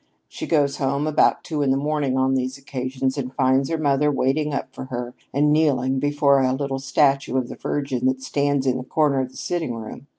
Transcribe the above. She gets home about two in the morning on these occasions and finds her mother waiting up for her and kneeling before a little statue of the Virgin that stands in the corner of the sitting room.